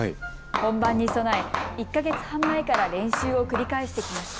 本番に備え１か月半前から練習を繰り返してきました。